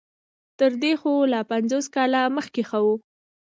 تر دې خو لا پنځوس کاله مخکې ښه وو.